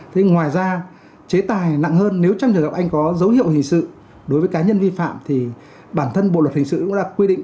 thế ngoài ra chế tài nặng hơn nếu trong trường hợp anh có dấu hiệu hình sự đối với cá nhân vi phạm thì bản thân bộ luật hình sự cũng đã quy định